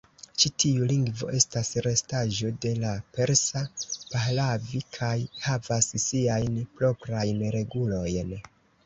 Ĉi tiu lingvo estas restaĵo de la persa Pahlavi kaj havas siajn proprajn regulojn.